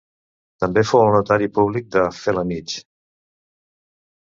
També fou el notari públic de Felanitx.